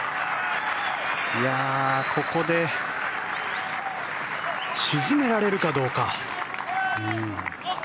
ここで沈められるかどうか。